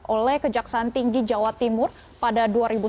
oleh kejaksaan tinggi jawa timur pada dua ribu sembilan belas